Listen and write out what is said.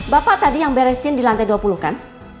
bapak tadi yang beresin di lantai dua puluh kan